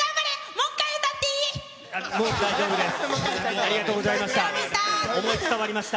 もう一もう大丈夫です。